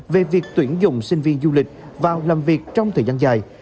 về việc tuyển dụng sinh viên du lịch vào làm việc trong thời gian dài